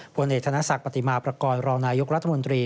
ผลเอกธนศักดิ์ปฏิมาประกอบรองนายกรัฐมนตรี